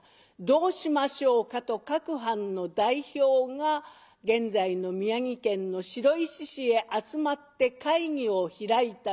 「どうしましょうか」と各藩の代表が現在の宮城県の白石市へ集まって会議を開いた。